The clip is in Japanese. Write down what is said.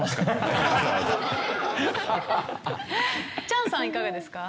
チャンさんいかがですか？